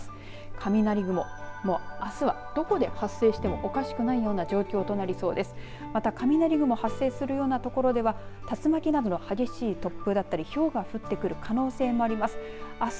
雷雲、もうあすはどこで発生してもおかしくないような状況となりそうです。